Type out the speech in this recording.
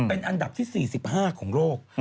เป็นอันดับที่๔๕ของโลก